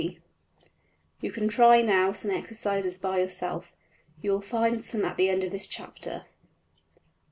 \] You can try now some exercises by yourself; you will find some at the end of this chapter.